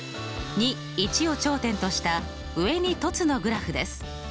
を頂点とした上に凸のグラフです。